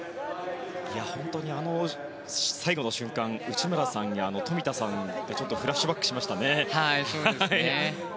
最後の瞬間内村さんや冨田さんがちょっとフラッシュバックしましたね。